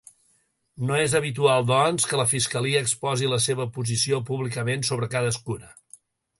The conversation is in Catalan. No és habitual, doncs, que la fiscalia exposi la seva posició públicament sobre cadascuna.